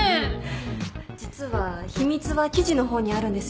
実は秘密は生地の方にあるんですよ。